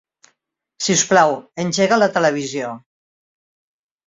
Si us plau, engega la televisió.